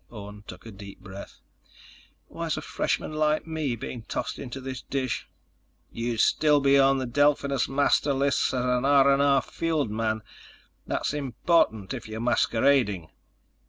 Orne took a deep breath. "Why's a freshman like me being tossed into this dish?" "You'd still be on the Delphinus master lists as an R&R field man. That's important if you're masquerading."